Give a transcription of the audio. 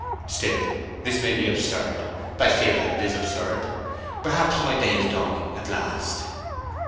Still this may be absurd—I feel that it is absurd. Perhaps my day is dawning at last."